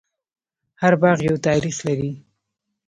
هر باغ یو تاریخ لري.